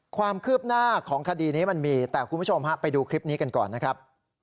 ความคืบหน้าของคดีนี้มันมีแต่คุณผู้ชมฮะไปดูคลิปนี้กันก่อนนะครับ